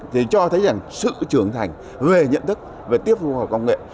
thì cho thấy rằng sự trưởng thành về nhận thức về tiếp thu khoa học công nghệ